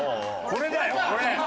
これだよこれ！